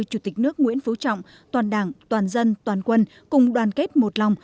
chủ tịch nước nguyễn phú trọng toàn đảng toàn dân toàn quân cùng đoàn kết một lòng